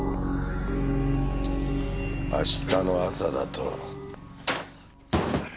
明日の朝だと。